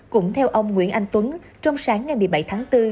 cũng theo ông nguyễn anh tuấn trong sáng ngày một mươi bảy tháng bốn